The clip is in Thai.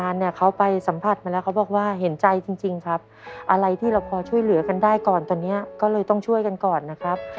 อะไรที่เราพอช่วยเหลือกันได้ก่อนตอนนี้ก็เลยต้องช่วยกันก่อนนะครับ